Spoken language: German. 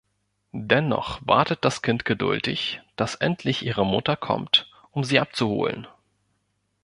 Dennoch wartet das Kind geduldig, dass endlich ihre Mutter kommt, um sie abzuholen.